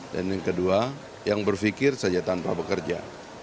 dan yang kedua yang berpikir saja tanpa bekerja